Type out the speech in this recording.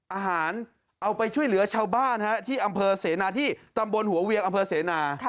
เอาไปช่วยเหลือชาวบ้านที่อำเภอเสนาที่ตำบลหัวเวียงอำเภอเสนา